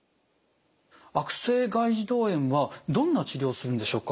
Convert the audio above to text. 悪性外耳道炎はどんな治療をするんでしょうか？